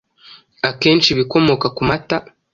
Akenshi ibikomoka ku mata